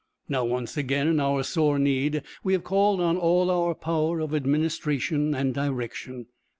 Now once again in our sore need we have called on all our power of administration and direction.